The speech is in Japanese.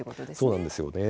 そうなんですよね。